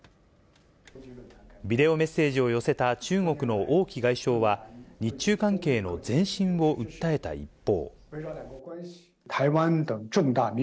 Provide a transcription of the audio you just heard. ビデオメッセージを寄せた中国の王毅外相は、日中関係の前進を訴えた一方。